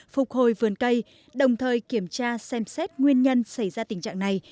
phục hồi vườn cây đồng thời kiểm tra xem xét nguyên nhân xảy ra tình trạng này